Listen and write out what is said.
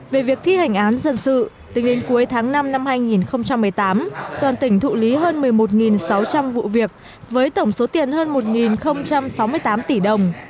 về việc thi hành án dân sự tính đến cuối tháng năm năm hai nghìn một mươi tám toàn tỉnh thụ lý hơn một mươi một sáu trăm linh vụ việc với tổng số tiền hơn một sáu mươi tám tỷ đồng